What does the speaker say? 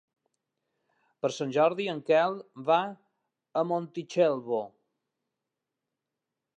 Per Sant Jordi en Quel va a Montitxelvo.